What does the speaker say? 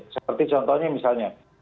seperti contohnya misalnya